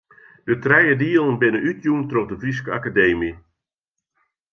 De trije dielen binne útjûn troch de Fryske Akademy.